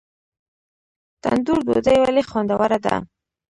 تندور ډوډۍ ولې خوندوره ده؟